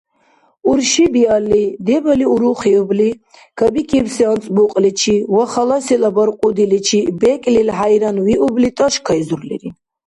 Урши биалли, дебали урухиубли, кабикибси анцӀбукьличи ва халасила баркьудиличи бекӀлил хӀяйранвиубли, тӀашкайзурлири.